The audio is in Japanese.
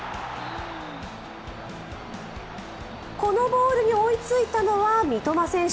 このボールに追いついたのは三笘選手。